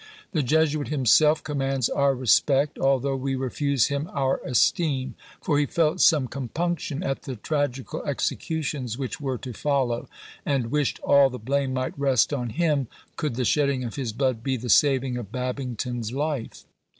The Jesuit himself commands our respect, although we refuse him our esteem; for he felt some compunction at the tragical executions which were to follow, and "wished all the blame might rest on him, could the shedding of his blood be the saving of Babington's life!"